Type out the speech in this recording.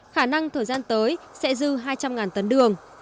khả năng thời gian tới sẽ dư hai trăm linh tấn đường